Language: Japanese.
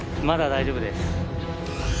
まだ大丈夫です。